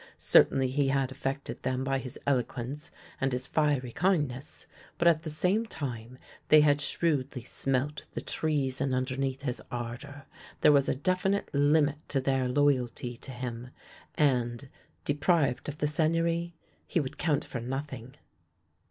Certainly he had affected them by his eloquence and his fiery kindness, but at the same time they had shrewdly smelt the treason under neath his ardour, there was a definite limit to their loy alty to him ; and, deprived of the Seigneury, he would count for nothing.